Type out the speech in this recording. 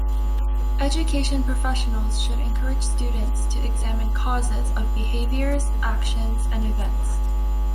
Education professionals should encourage students to examine "causes" of behaviors, actions and events.